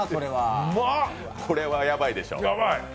これはヤバいでしょ。